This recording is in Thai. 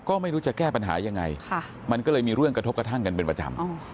ก็ไม่รู้จะแก้ปัญหายังไงมันก็เลยมีเรื่องกระทบกระทั่งกันเป็นประจำ